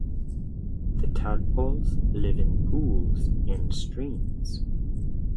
The tadpoles live in pools in streams.